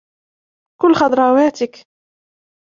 كُل خضراواتك.